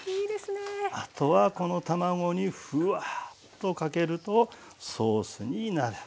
あとはこの卵にふわっとかけるとソースになる。